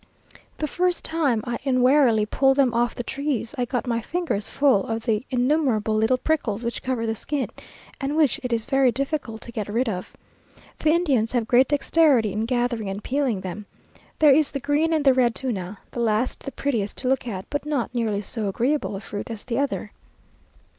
The first time I unwarily pulled them off the trees, I got my fingers full of the innumerable little prickles which cover the skin, and which it is very difficult to get rid of. The Indians have great dexterity in gathering and peeling them. There is the green and the red tuna; the last the prettiest to look at, but not nearly so agreeable a fruit as the other.